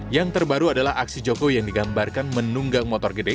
yang terbaru adalah aksi jokowi yang digambarkan menunggang motor gede